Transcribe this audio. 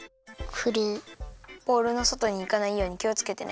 ボウルのそとにいかないようにきをつけてね。